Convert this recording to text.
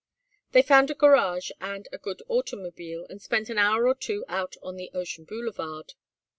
They found a garage and a good automobile, and spent an hour or two out on the ocean boulevard.